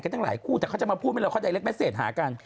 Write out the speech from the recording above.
ก็ต้องติดต่อทางโซเชียลถูกป่ะ